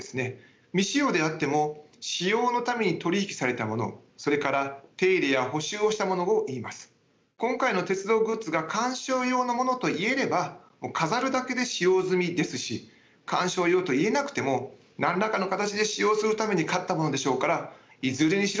古物というのは今回の鉄道グッズが鑑賞用のものと言えれば飾るだけで使用済みですし鑑賞用と言えなくても何らかの形で使用するために買ったものでしょうからいずれにしろ